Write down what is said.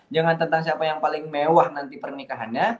jangan tentang siapa yang paling mewah nanti pernikahannya